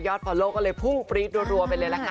ยอดผลโลก็เลยพุ่งปริกรัวไปเลยนะคะ